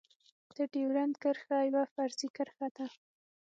د ډيورند کرښه يوه فرضي کرښه ده.